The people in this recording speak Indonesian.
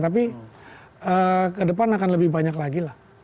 tapi ke depan akan lebih banyak lagi lah